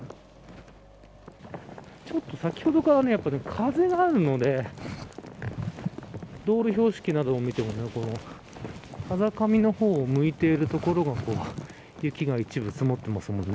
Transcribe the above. ちょっと、先ほどから風があるので道路標識などを見ても風上の方を向いている所の方は雪が一部、積もってますもんね。